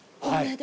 はい。